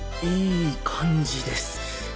いい感じです